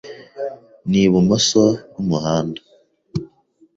Ni ibumoso bwumuhanda.